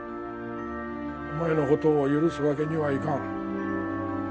お前の事を許すわけにはいかん。